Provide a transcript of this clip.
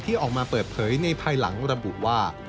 ออกมาเปิดเผยในภายหลังระบุว่า